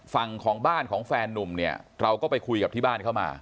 ฝั่งของบ้านของแฟนนุ่มเนี่ยเราก็ไปคุยกับที่บ้านเข้ามา